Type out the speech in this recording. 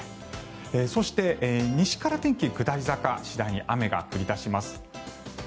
そして、西から天気下り坂次第に雨が降り出します。